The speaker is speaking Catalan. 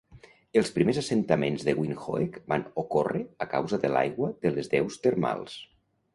Els primers assentaments de Windhoek van ocórrer a causa de l'aigua de les deus termals.